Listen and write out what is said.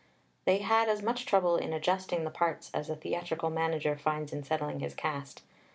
They had as much trouble in adjusting the parts as a theatrical manager finds in settling his cast.